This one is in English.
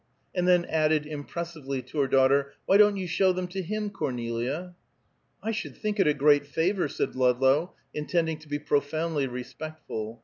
and then added impressively, to her daughter: "Why don't you show them to him, Cornelia?" "I should think it a great favor," said Ludlow, intending to be profoundly respectful.